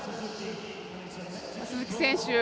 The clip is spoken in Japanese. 鈴木選手